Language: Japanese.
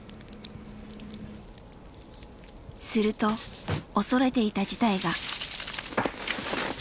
すると恐れていた事態が。